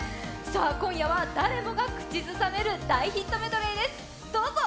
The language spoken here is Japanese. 今夜は誰もが口ずさめる大ヒットメドレーです、どうぞ。